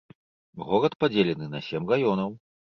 Горад падзелены на сем раёнаў.